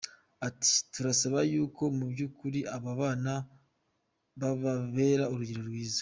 Ati “Turasaba y’uko mu by’ukuri aba bana bababera urugero rwiza.